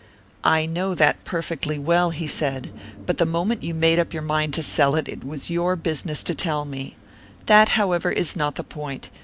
"I know that perfectly well," he said; "but the moment you made up your mind to sell it, it was your business to tell me. That, however, is not the point.